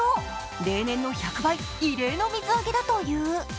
例年の１００倍異例の水揚げだという。